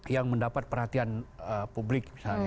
yang mendapat perhatian publik misalnya